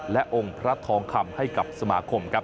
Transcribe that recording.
และองค์พระทองคำให้กับสมาคมครับ